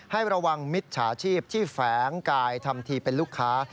ให้ระวังมิจฉาชีพที่แฝงกายทำทีเป็นลูกค้า